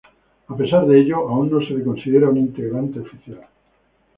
A pesar de ello, aún no se le considera un integrante oficial.